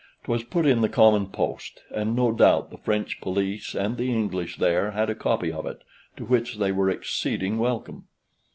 'Twas put in the common post, and no doubt the French police and the English there had a copy of it, to which they were exceeding welcome.